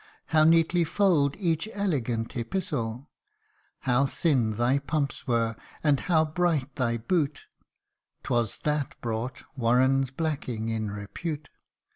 How neatly fold each elegant epistle ! How thin thy pumps were, and how bright thy boot, ("Twas that brought " Warren's blacking 1 " in repute.)